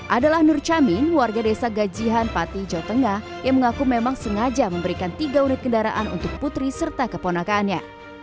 adalah nur camin warga desa gajian pati jawa tengah yang mengaku memang sengaja memberikan tiga unit kendaraan untuk putri serta keponakannya